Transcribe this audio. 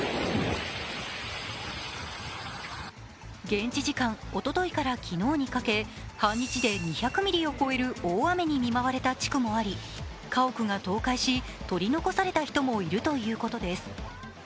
現地時間、おとといから昨日にかけ半日で２００ミリを超える大雨に見舞われた地区もあり家屋が倒壊し、取り残された人もいるということです。